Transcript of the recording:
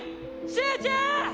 集中！